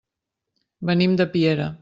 Venim de Piera.